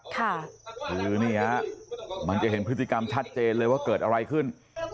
คือนี่ฮะมันจะเห็นพฤติกรรมชัดเจนเลยว่าเกิดอะไรขึ้น